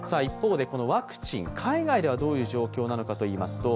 ワクチン、海外ではどういう状況なのかといいますと